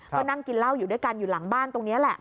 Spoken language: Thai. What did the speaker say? ก็นั่งกินเหล้าอยู่ด้วยกันอยู่หลังบ้านตรงนี้แหละ